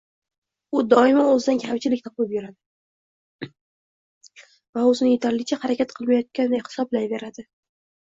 U doimo o‘zidan kamchilik topib yuradi va o‘zini yetarlicha harakat qilmayotgandek hisoblayveradi.